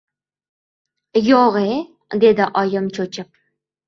— Yo‘g‘-e, — dedi oyim cho‘chib.